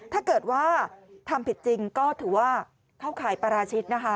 ถ้าเกิดว่าทำผิดจริงก็ถือว่าเข้าข่ายปราชิกนะคะ